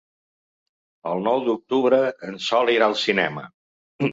El nou d'octubre en Sol irà al cinema.